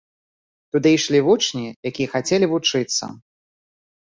Туды ішлі вучні, якія хацелі вучыцца.